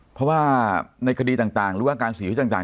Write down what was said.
เพราะว่าในคดีต่างหรือว่าการเสียชีวิตต่าง